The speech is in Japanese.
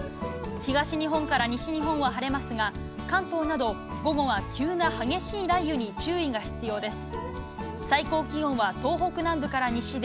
東日本から西日本は晴れますが、関東など、午後は急な激しい雷雨に注意が必要です。